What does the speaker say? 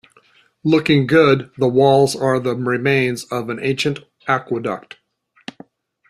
Looking good the walls are the remains of an ancient aqueduct.